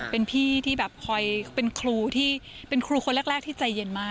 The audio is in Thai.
เป็นพี่ที่แบบคอยเป็นครูที่เป็นครูคนแรกที่ใจเย็นมาก